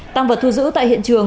tăng vật thu giữ tại hiện trường